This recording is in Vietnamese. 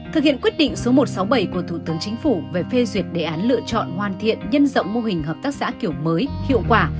thực hiện quyết định số một trăm sáu mươi bảy của thủ tướng chính phủ về phê duyệt đề án lựa chọn hoàn thiện nhân rộng mô hình hợp tác xã kiểu mới hiệu quả